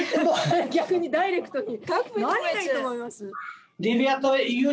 逆にダイレクトに何がいいと思います？